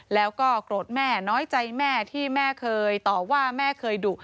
แล้วก็โกรธแม่น้อยใจแม่ที่แม่เคยต่อว่าแม่เคยดุ